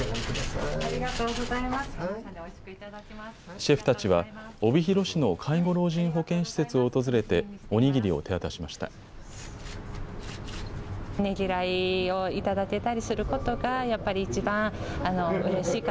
シェフたちは帯広市の介護老人保健施設を訪れて、お握りを手渡しました。